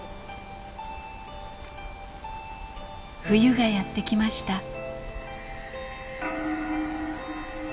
冬がやって来ました。